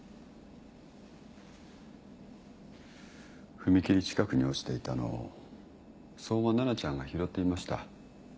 踏切近くに落ちていたのを相馬奈々ちゃんが拾っていました。